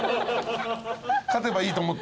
勝てばいいと思って。